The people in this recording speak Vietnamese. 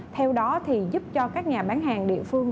theo đó thì giúp cho các nhà bán hàng địa phương